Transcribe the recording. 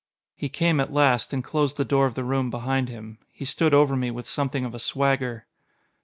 He came at last, and closed the door of the room behind him. He stood over me with something of a swagger.